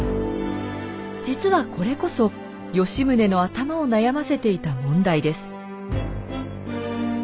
実はこれこそ吉宗の頭を悩ませていた問題です。